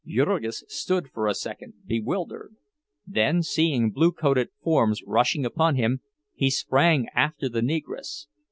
_" Jurgis stood for a second, bewildered. Then, seeing blue coated forms rushing upon him, he sprang after the Negress.